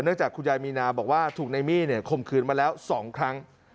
เนื่องจากคุณยายมีนาบอกว่าถูกไม่มีข่มคืนมาแล้ว๒ครั้ง